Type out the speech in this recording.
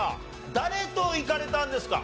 誰と行かれたんですか？